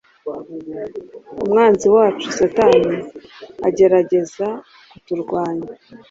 Umwanzi wacu Satani agerageza kuturwanya